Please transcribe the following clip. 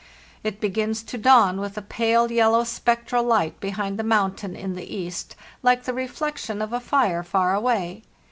It begins to dawn with a pale, yellow, spectral light behind the mountain in the east, like the reflection of a fire far away.